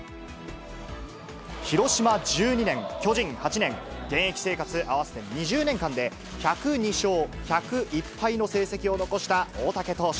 広島１２年、巨人８年、現役生活合わせて２０年間で、１０２勝１０１敗の成績を残した大竹投手。